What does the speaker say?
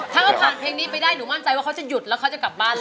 ถ้าเขาผ่านเพลงนี้ไปได้หนูมั่นใจว่าเขาจะหยุดแล้วเขาจะกลับบ้านเลย